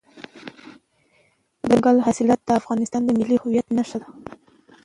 دځنګل حاصلات د افغانستان د ملي هویت نښه ده.